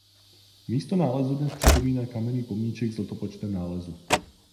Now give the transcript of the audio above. Místo nálezu dnes připomíná kamenný pomníček s letopočtem nálezu.